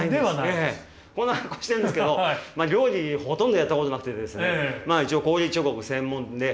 こんな格好してるんですけど料理ほとんどやったことなくてですね一応氷彫刻専門で。